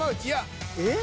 えっ？